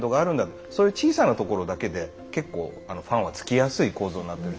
そういう小さなところだけで結構ファンはつきやすい構造になってる。